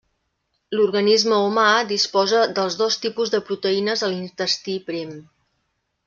L'organisme humà disposa dels dos tipus de proteïnes a l'intestí prim.